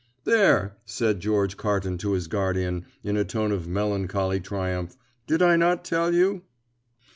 "There," said George Carton to his guardian, in a tone of melancholy triumph, "did I not tell you?"